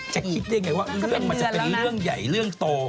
คิดได้ไงว่าเรื่องมันจะเป็นเรื่องใหญ่เรื่องโต